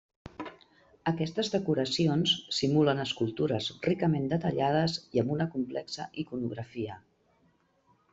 Aquestes decoracions simulen escultures ricament detallades i amb una complexa iconografia.